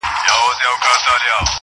لکه ښاخ د زاړه توت غټ مړوندونه!